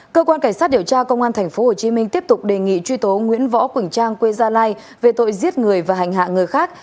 cơ quan cảnh sát điều tra công an tp hcm tiếp tục đề nghị truy tố nguyễn võ quỳnh trang quê gia lai về tội giết người và hành hạ người khác